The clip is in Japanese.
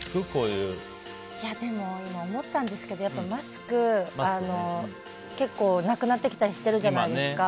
でも、今思ったんですけどマスク、結構なくなってきたりしてるじゃないですか。